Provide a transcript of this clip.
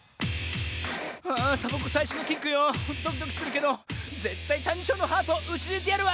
あサボ子さいしょのキックよドキドキするけどぜったいタニショーのハートをうちぬいてやるわ！